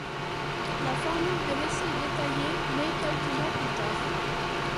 La formule de l'essai détaillé nait quelques mois plus tard.